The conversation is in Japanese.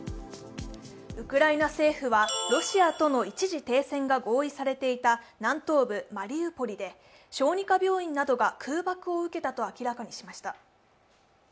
ウクライナ政府はロシアとの一時停戦が合意されていた南東部マリウポリで小児科病院などが空爆を受けたと明らかにしました。